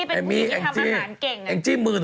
แม่บ้านแม่เรือน